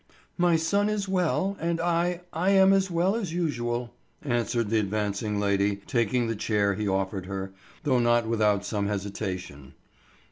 "My son is well, and I—I am as well as usual," answered the advancing lady, taking the chair he offered her, though not without some hesitation.